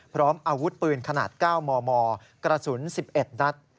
พร้อมอาวุธปืนขนาด๙มมกระสุน๑๑นัด